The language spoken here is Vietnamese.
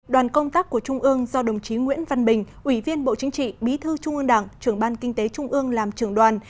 đoàn công tác của trung ương do đồng chí nguyễn văn bình ủy viên bộ chính trị bí thư trung ương đảng trưởng ban kinh tế trung ương làm trưởng đoàn